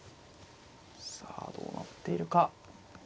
さあどうなっているか。